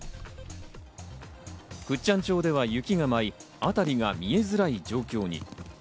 倶知安町では雪が舞い、あたりが見えづらい状況に。